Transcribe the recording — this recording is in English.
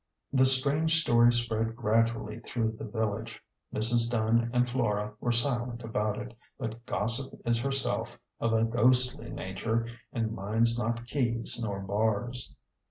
The strange story spread gradually through the village. Mrs. Dunn and Flora were silent about it, but Gossip is her self of a ghostly nature, and minds not keys nor bars.